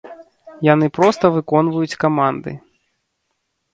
Яны проста выконваюць каманды.